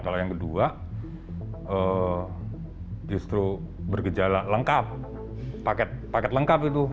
kalau yang kedua justru bergejala lengkap paket paket lengkap itu